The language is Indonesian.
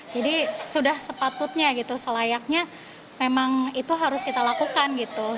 jadi sudah sepatutnya gitu selayaknya memang itu harus kita lakukan gitu